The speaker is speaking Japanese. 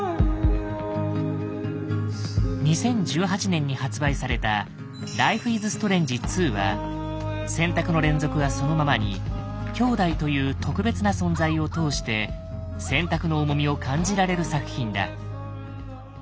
２０１８年に発売された「ライフイズストレンジ２」は選択の連続はそのままに兄弟という特別な存在を通して選択の重みを感じられる作品だ。